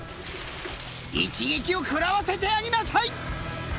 一撃を食らわせてやりなさい！